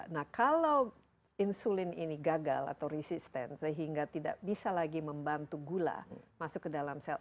nah kalau insulin ini gagal atau resisten sehingga tidak bisa lagi membantu gula masuk ke dalam sel